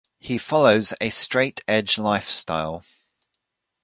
He follows a straight edge lifestyle.